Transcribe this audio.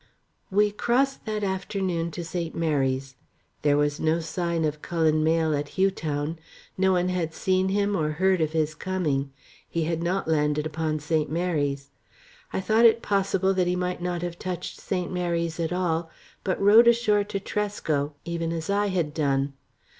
We crossed that afternoon to St. Mary's. There was no sign of Cullen Mayle at Hugh Town. No one had seen him or heard of his coming. He had not landed upon St. Mary's. I thought it possible that he might not have touched St. Mary's at all, but rowed ashore to Tresco even as I had done.